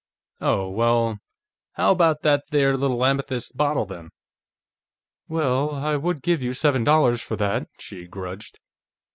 "Oh, well.... How about that there little amethyst bottle, then?" "Well ... I would give you seven dollars for that," she grudged.